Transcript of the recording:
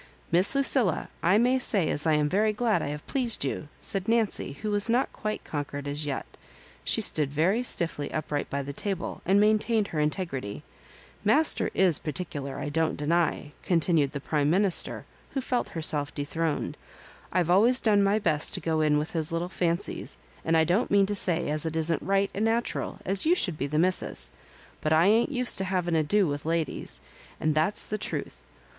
" Miss Lucilla, I may say as I am very glad I have pleased you," said Nancy, who was not quite conquered as yet She stood very stiffly upright by the table, and maintai&ed her inte grity. " Master is particular, I don't deny," con tinued the prime minister, who felt herself de throned. " I've always done my best to go in with his little fancies, and I don't mean to say as it isn't right and natural as you should be the missis. But I ain't used to have ado with ladies, and that's the truth.